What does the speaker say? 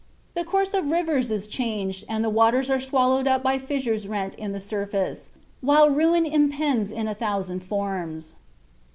The course of rivers is changed and the waters are swallowed up by fissures rent in the surface, while ruin impends in a thousand forms.